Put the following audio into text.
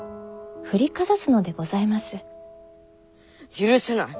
許せない！